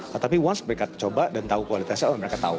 tetapi once mereka coba dan tahu kualitasnya orang mereka tahu